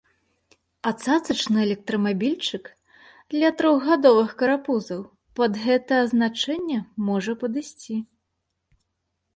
А цацачны электрамабільчык для трохгадовых карапузаў пад гэта азначэнне можа падысці.